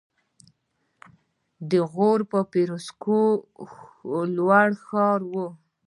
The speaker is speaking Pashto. د غور فیروزکوه لوړ ښار و